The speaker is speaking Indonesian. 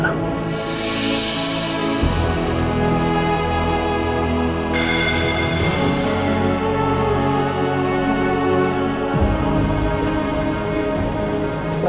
aku suka dia banyak